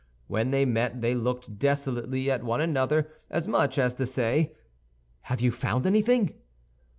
When they met they looked desolately at one another, as much as to say, "Have you found anything?"